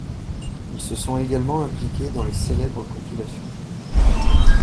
Ils se sont également impliqués dans les célèbres compilations '.